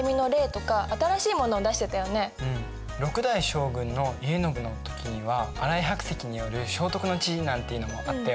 ６代将軍の家宣の時には新井白石による正徳の治なんていうのもあったよね。